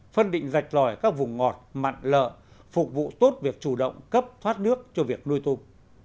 phân định rạch lỏi các vùng ngọt mặn lợ phục vụ tốt việc chủ động cấp thoát nước cho việc nuôi tôm